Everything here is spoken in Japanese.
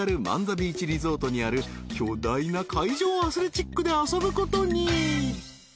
万座ビーチリゾートにある巨大な海上アスレチックで遊ぶことに］